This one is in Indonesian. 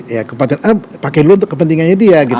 ya kabupaten a pakai luhur untuk kepentingannya dia gitu